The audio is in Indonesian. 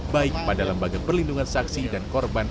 baik pada lembaga perlindungan saksi dan korban